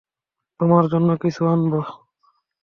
তোমার জন্য কিছু আনবো?